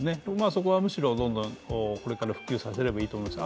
そこは、むしろどんどんこれから普及させればいいと思います。